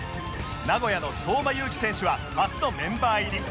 名古屋の相馬勇紀選手は初のメンバー入り